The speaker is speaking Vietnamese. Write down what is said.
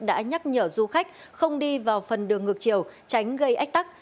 đã nhắc nhở du khách không đi vào phần đường ngược chiều tránh gây ách tắc